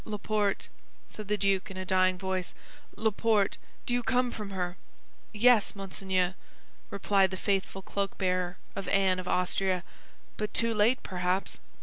"Laporte," said the duke, in a dying voice, "Laporte, do you come from her?" "Yes, monseigneur," replied the faithful cloak bearer of Anne of Austria, "but too late, perhaps."